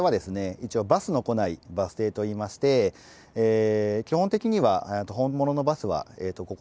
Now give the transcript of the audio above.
一応バスの来ないバス停といいまして基本的には本物のバスはここに来ることはありません。